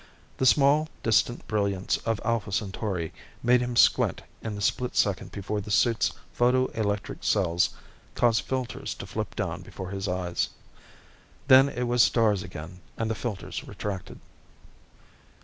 The small, distant brilliance of Alpha Centauri made him squint in the split second before the suit's photoelectric cells caused filters to flip down before his eyes. Then it was stars again, and the filters retracted.